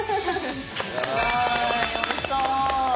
うわおいしそう！